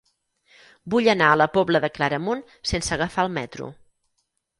Vull anar a la Pobla de Claramunt sense agafar el metro.